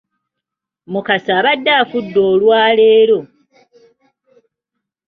Mukasa abadde afudde olwaleero!